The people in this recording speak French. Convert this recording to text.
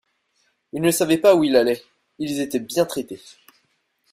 Il ne savait pas où il allait. Ils étaient bien traités